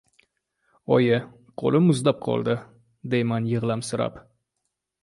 — Oyi, qo‘lim muzlab qoldi, — deyman yig‘lamsirab.